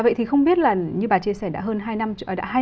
vậy thì không biết là như bà chia sẻ đã hơn hai năm